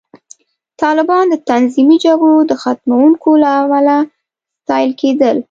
طالبان د تنظیمي جګړو د ختموونکو له امله ستایل کېدل